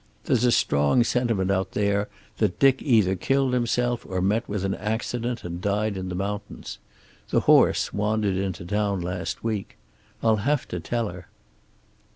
There's a strong sentiment out there that Dick either killed himself or met with an accident and died in the mountains. The horse wandered into town last week. I'll have to tell her."